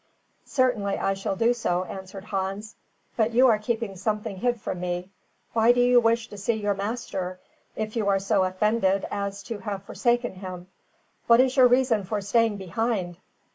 "Certainly I shall do so," answered Hans; "but you are keeping something hid from me. Why do you wish to see your master, if you are so offended as to have forsaken him. What is your reason for staying behind?"